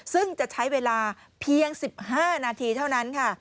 ซึ่งจะใช้เวลาเพียง๑๕นาทีเท่านั้นค่ะ